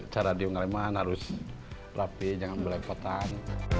cara diunggah remahan harus rapi jangan melepotan